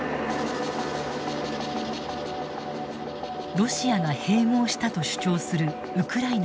ロシアが併合したと主張するウクライナ